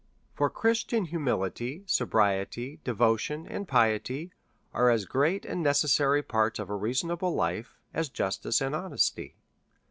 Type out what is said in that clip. For Christian humility, sobriety, devotion, and piety, are as great and necessary parts of a reasonable life as justice and honesty.